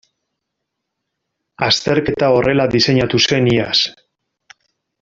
Azterketa horrela diseinatu zen iaz.